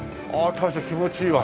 大将気持ちいいわ。